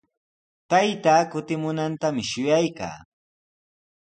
Taytaa kutimunantami shuyaykaa.